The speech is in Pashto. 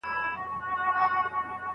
تا بېشکه ګولۍ نه دي چلولي